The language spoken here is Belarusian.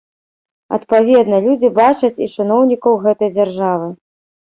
Адпаведна, людзі бачаць і чыноўнікаў гэтай дзяржавы.